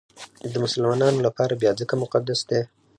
د مسلمانانو لپاره بیا ځکه مقدس دی.